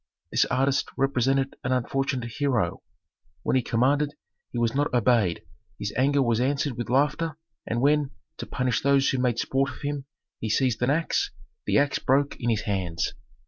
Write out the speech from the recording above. This artist represented an unfortunate hero: when he commanded he was not obeyed, his anger was answered with laughter, and when, to punish those who made sport of him, he seized an axe, the axe broke in his hands.